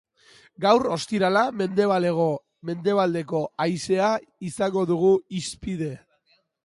Gaur, ostirala, mendebal-hego-mendebaldeko haizea izango dugu hizpide.